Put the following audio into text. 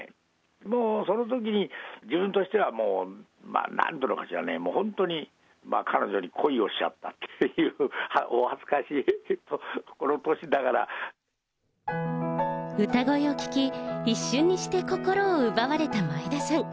もう、そのときに自分としては、なんというのかしらね、もう本当に彼女に恋をしちゃったっていう、お恥ずかしい、この年ながら。歌声を聞き、一瞬にして心を奪われた前田さん。